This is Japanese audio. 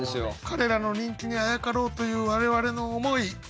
彼らの人気にあやかろうという我々の思い。